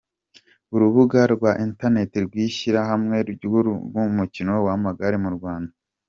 com urubuga rwa interineti rw’ishyirahamwe ry’umukino w’amagare mu Rwanda.